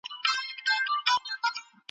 ولسي جرګه ملي امنيت ته پام کوي.